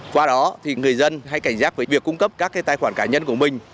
qua đó thì người dân hay cảnh giác về việc cung cấp các cái tài khoản cá nhân của mình